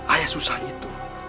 ayah susah itu